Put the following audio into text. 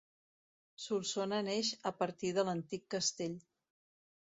Solsona neix a partir de l'antic castell.